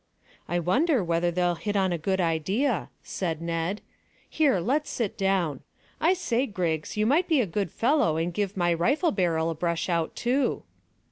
"I wonder whether they'll hit on a good idea," said Ned. "Here, let's sit down. I say, Griggs, you might be a good fellow and give my rifle barrel a brush out too."